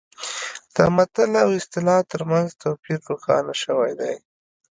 د متل او اصطلاح ترمنځ توپیر روښانه شوی دی